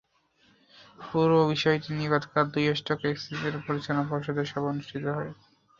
পুরো বিষয়টি নিয়ে গতকাল দুই স্টক এক্সচেঞ্জের পরিচালনা পর্ষদের সভা অনুষ্ঠিত হয়।